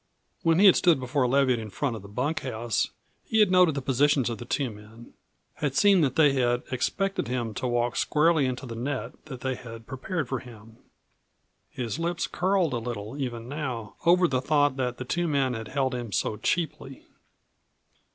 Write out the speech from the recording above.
When he had stood before Leviatt in front of the bunkhouse, he had noted the positions of the two men; had seen that they had expected him to walk squarely into the net that they had prepared for him. His lips curled a little even now over the thought that the two men had held him so cheaply.